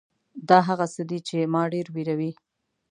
دا هغه څه دي چې ما ډېر وېروي .